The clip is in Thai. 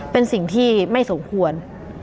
เป็นสิ่งที่ไม่สมควร